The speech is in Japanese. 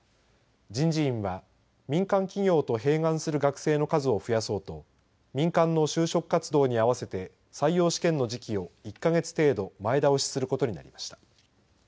人事院は、民間企業と併願する学生の数を増やそうと民間の就職活動に合わせて採用試験の時期を１か月程度前倒しすることになりました。